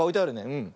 うん。